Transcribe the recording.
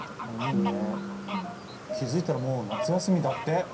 気付いたらもう夏休みだって！